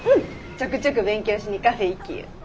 ちょくちょく勉強しにカフェ行きゆ。